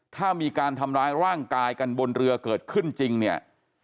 ถ้ามีการทำร้ายร่างกายกันบนเรือเกิดขึ้นจริงเนี่ย